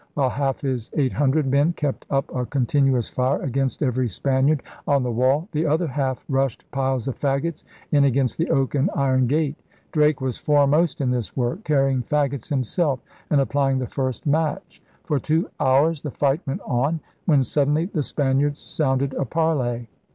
While half his eight hundred men kept up a con tinuous fire against every Spaniard on the wall the other half rushed piles of faggots in against the oak and iron gate. Drake was foremost in this work, carrying faggots himself and applying the first match. For two hours the fight went on; when suddenly the Spaniards sounded a parley.